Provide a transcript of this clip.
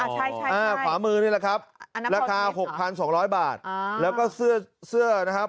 ใช่อ๋ออ๋อขวามือนี่แหละครับราคา๖๒๐๐บาทแล้วก็เสื้อนะครับ